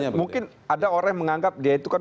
jadi mungkin ada orang yang menganggap dia itu kan